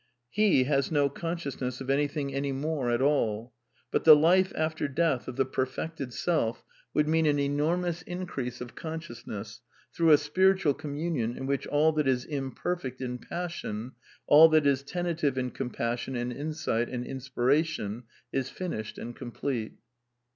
He has no consciousness of anything any more at aU. But the life after death of the perfected self would mean an enormous increase of consciousness, through a spiritual communion in which all that is imperfect in passion, all that is tentative in compassion and insight and inspiration is finished and complete.